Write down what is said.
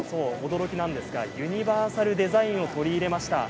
驚きなんですがユニバーサルデザインを取り入れました。